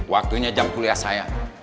waktunya jam kuliah saya